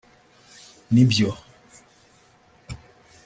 Nibyo